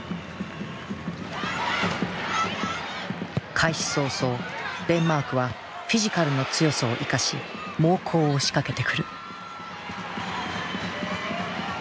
開始早々デンマークはフィジカルの強さを生かし猛攻を仕掛けてくる。